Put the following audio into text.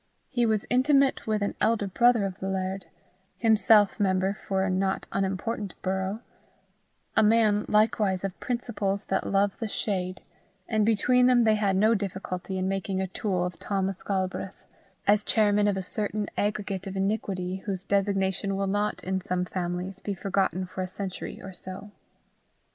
He was intimate with an elder brother of the laird, himself member for a not unimportant borough a man, likewise, of principles that love the shade; and between them they had no difficulty in making a tool of Thomas Galbraith, as chairman of a certain aggregate of iniquity, whose designation will not, in some families, be forgotten for a century or so.